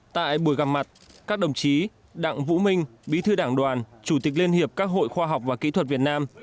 tại buổi gặp mặt các đồng chí đặng vũ minh bí thư đảng đoàn chủ tịch liên hiệp các hội khoa học và kỹ thuật việt nam